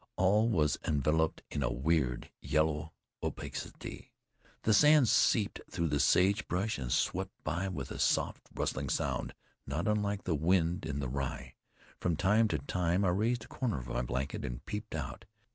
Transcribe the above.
All was enveloped in a weird yellow opacity. The sand seeped through the sage bush and swept by with a soft, rustling sound, not unlike the wind in the rye. From time to time I raised a corner of my blanket and peeped out.